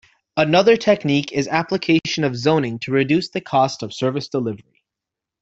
Another technique is application of zoning to reduce the cost of service delivery.